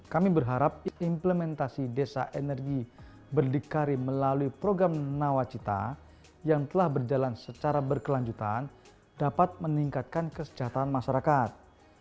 kami berharap implementasi desa energi berdikari melalui program nawacita yang telah berjalan secara berkelanjutan dapat meningkatkan kesejahteraan masyarakat